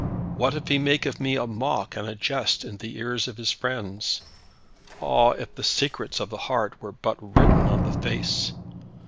What if he make of me a mock and a jest in the ears of his friends! Ah, if the secrets of the heart were but written on the face!